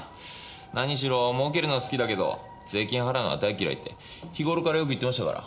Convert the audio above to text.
何しろもうけるのは好きだけど税金払うのは大嫌いって日頃からよく言ってましたから。